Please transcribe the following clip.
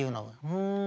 「ふん。